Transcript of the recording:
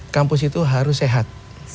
kampus itu harus sehat